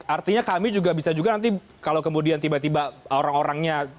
artinya kami juga bisa juga nanti kalau kemudian tiba tiba orang orangnya